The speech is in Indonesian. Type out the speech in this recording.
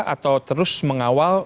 atau terus mengawal